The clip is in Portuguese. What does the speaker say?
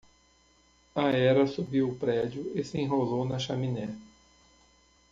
A hera subiu o prédio e se enrolou na chaminé.